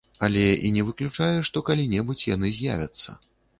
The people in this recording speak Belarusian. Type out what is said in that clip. Але і не выключае, што калі-небудзь яны з'явяцца.